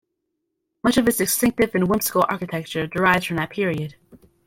Much of its distinctive and whimsical architecture derives from that period.